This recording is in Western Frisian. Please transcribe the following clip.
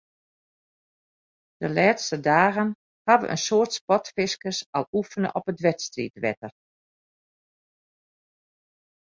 De lêste dagen hawwe in soad sportfiskers al oefene op it wedstriidwetter.